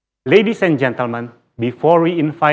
pertama sekali saya ingin mengucapkan kepada para penonton